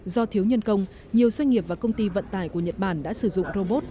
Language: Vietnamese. do thiếu nhân công nhiều doanh nghiệp và công ty vận tải của nhật bản đã sử dụng robot